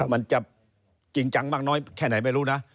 มันจะจริงจังมากน้อยแค่ไหนไม่รู้นะ